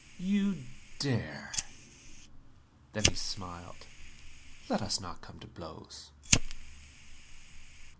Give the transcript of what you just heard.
"You dare?" Then he smiled. "Let us not come to blows!"